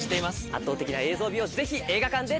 圧倒的な映像美をぜひ映画館で。